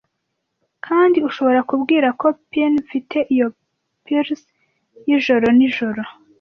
Kandi ushobora kubwira ko pine mfite, iyo pulse yijoro nijoro.